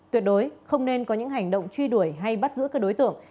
tuyệt đối không nên có những hành động truy đuổi hay bắt giữ các đối tượng